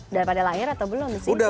udah pada lahir atau belum sih